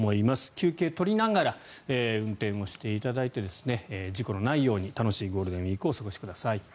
休憩を取りながら運転していただいて事故のないように楽しいゴールデンウィークをお過ごしください。